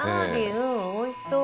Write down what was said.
うんおいしそう。